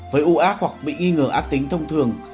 với ưu ác hoặc bị nghi ngờ ác tính thông thường